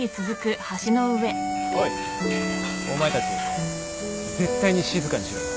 おいお前たち絶対に静かにしろよ。